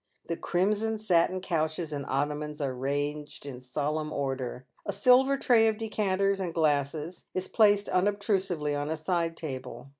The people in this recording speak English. The crimson satin couches and ottomans are ranged in solemn order. A silver tray of decanters and glasses is placed unob trusively on a side table.